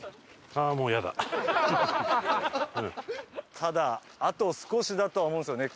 ただあと少しだとは思うんですよね。